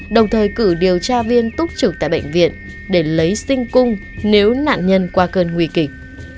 đồng thời cử điều tra viên túc trực tại bệnh viện để lấy sinh cung nếu nạn nhân qua cơn nguy kịch